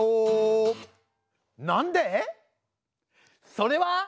それは！